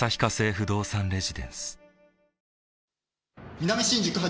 南新宿８